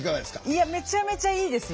いやめちゃめちゃいいですよ。